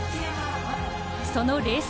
そのレース